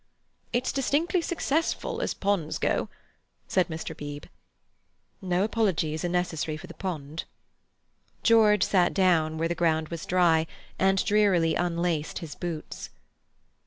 "It's distinctly successful, as ponds go," said Mr. Beebe. "No apologies are necessary for the pond." George sat down where the ground was dry, and drearily unlaced his boots.